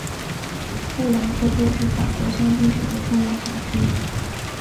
布朗科托是法国香槟酒的重要产区。